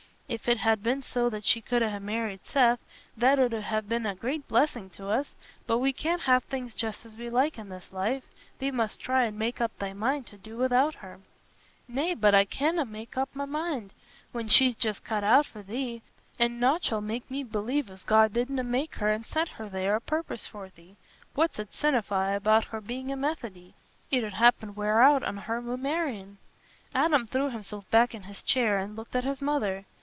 If it had been so that she could ha' married Seth, that 'ud ha' been a great blessing to us, but we can't have things just as we like in this life. Thee must try and make up thy mind to do without her." "Nay, but I canna ma' up my mind, when she's just cut out for thee; an' nought shall ma' me believe as God didna make her an' send her there o' purpose for thee. What's it sinnify about her bein' a Methody! It 'ud happen wear out on her wi' marryin'." Adam threw himself back in his chair and looked at his mother.